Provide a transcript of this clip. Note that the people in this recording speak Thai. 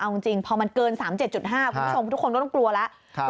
เอาจริงพอมันเกิน๓๗๕คุณผู้ชมทุกคนก็ต้องกลัวแล้ว